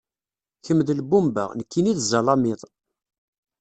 Kemm d lbumba, nekkini d zzalimiḍ.